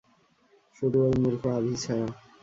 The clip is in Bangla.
শুধু ওই মূর্খ আভি ছাড়া।